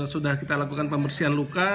sudah kita lakukan pembersihan luka